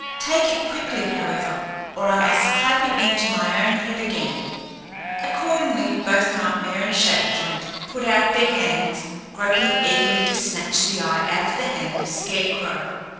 Take it quickly, however, or I must clap it into my own head again!" Accordingly, both Nightmare and Shakejoint put out their hands, groping eagerly to snatch the eye out of the hand of Scarecrow.